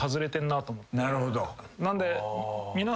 なんで。